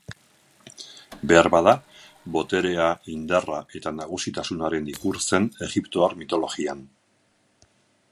Beharbada, boterea, indarra eta nagusitasunaren ikur zen egiptoar mitologian.